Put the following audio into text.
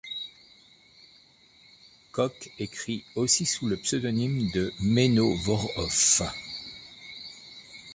Koch écrit aussi sous le pseudonyme de Menno Voorhof.